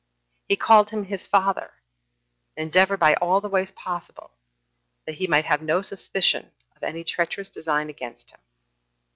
He called him his father, and endeavored, by all the ways possible, that he might have no suspicion of any treacherous design against him.